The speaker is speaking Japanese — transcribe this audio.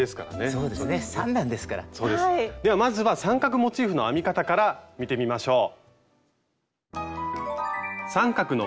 そうですではまずは三角モチーフの編み方から見てみましょう。